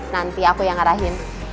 nanti aku yang ngarahin